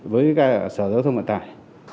với cái sở giao thông vận tải